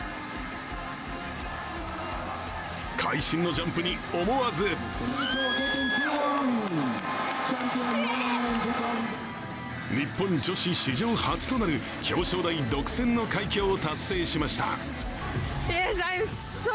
会心のジャンプに思わず日本女子史上初となる表彰台独占の快挙を達成しました。